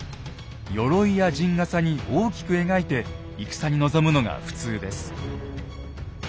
よろいや陣がさに大きく描いて戦に臨むのが普通です。